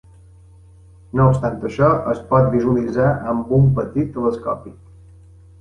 No obstant això, es pot visualitzar amb un petit telescopi.